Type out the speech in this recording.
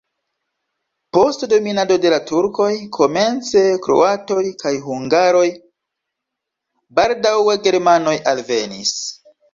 Post dominado de la turkoj komence kroatoj kaj hungaroj, baldaŭe germanoj alvenis.